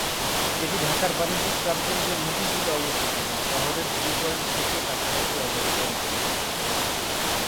এটি ঢাকার বাণিজ্যিক প্রাণকেন্দ্রে মতিঝিল-এ অবস্থিত এবং শহরের জিরো পয়েন্ট থেকে কাছাকাছি অবস্থানে।